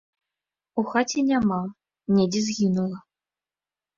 У хаце няма, недзе згінула.